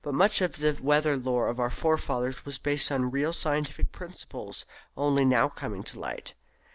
But much of the weather lore of our forefathers was based on real scientific principles only now coming to light.